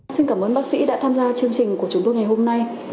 xin cảm ơn bác sĩ đã tham gia chương trình của chúng tôi ngày hôm nay